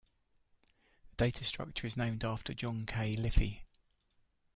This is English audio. The data structure is named after John K. Iliffe.